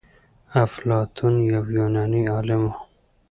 افلاطون يو يوناني عالم و.